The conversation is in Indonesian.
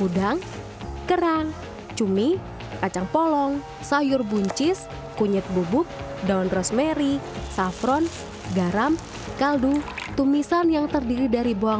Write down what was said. udang kerang cumi kacang polong sayur buncis kunyit bubuk daun rosemary safron garam kaldu tumisan yang terdiri dari bawang